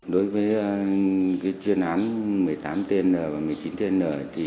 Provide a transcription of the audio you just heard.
đối với chuyên án một mươi tám tên và một mươi chín tn